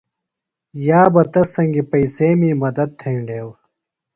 یابہ تس سنگیۡ پئیسیمی مدت تھینڈیوۡ۔